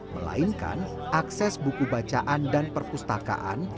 melainkan akses buku bacaan dan perpustakaan